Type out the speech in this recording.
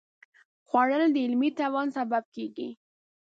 خوړل د علمي توان سبب کېږي